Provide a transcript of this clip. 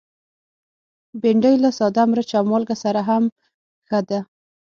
بېنډۍ له ساده مرچ او مالګه سره هم ښه ده